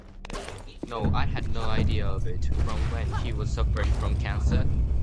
No, I had no idea of it. From when he was suffering from cancer?